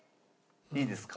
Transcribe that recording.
いいですか？